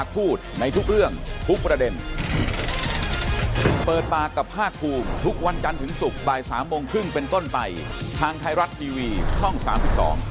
พรุ่งนี้พบกันบ่ายสามครึ่งครับสวัสดีครับ